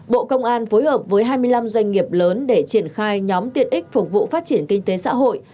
bộ công an phối hợp với hai mươi năm doanh nghiệp lớn để triển khai nhóm tiện ích phục vụ phát triển kinh tế xã hội